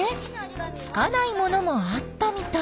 つかないものもあったみたい。